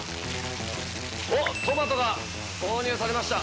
トマトが投入されました！